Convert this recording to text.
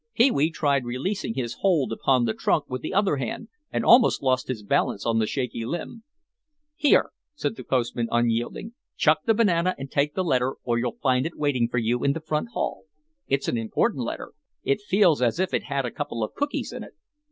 Pee wee tried releasing his hold upon the trunk with the other hand and almost lost his balance on the shaky limb. "Here," said the postman, unyielding, "chuck the banana and take the letter or you'll find it waiting for you in the front hall. It's an important letter, it feels as if it had a couple of cookies in it."